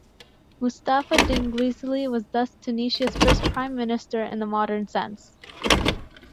Mustapha Dinguizli was thus Tunisia's first Prime Minister in the modern sense.